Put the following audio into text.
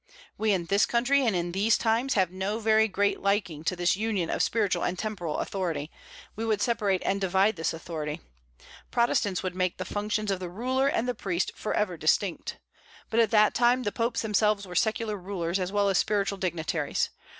We, in this country and in these times, have no very great liking to this union of spiritual and temporal authority: we would separate and divide this authority. Protestants would make the functions of the ruler and the priest forever distinct. But at that time the popes themselves were secular rulers, as well as spiritual dignitaries.